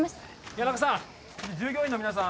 谷中さん従業員の皆さん